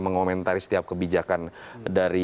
mengomentari setiap kebijakan dari